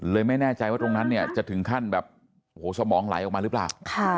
ไม่แน่ใจว่าตรงนั้นเนี่ยจะถึงขั้นแบบโอ้โหสมองไหลออกมาหรือเปล่า